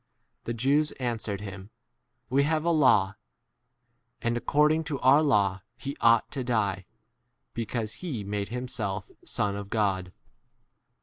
The Jews answered him, We " have a law, and accord ing to our law he ought to die, be cause he made himself Son of God.